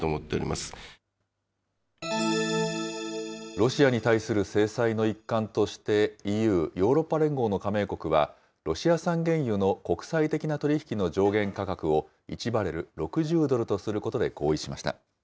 ロシアに対する制裁の一環として、ＥＵ・ヨーロッパ連合の加盟国は、ロシア産原油の国際的な取り引きの上限価格を、１バレル６０ドルとすることで合意しました。